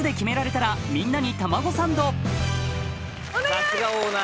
さすがオーナー。